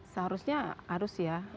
seharusnya harus ya